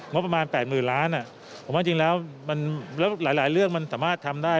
ประมาณ๘๐๐๐ล้านผมว่าจริงแล้วหลายเรื่องมันสามารถทำได้